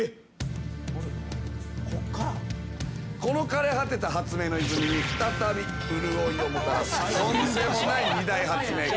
この枯れ果てた発明の泉に再び潤いをもたらすとんでもない二大発明家。